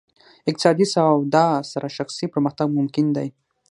اقتصادي سواد سره شخصي پرمختګ ممکن دی.